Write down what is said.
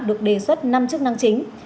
được đề xuất năm chức năng chính